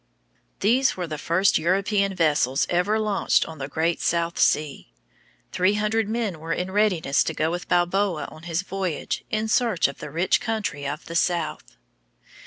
These were the first European vessels ever launched on the great South Sea. Three hundred men were in readiness to go with Balboa on his voyage in search of the rich country of the South.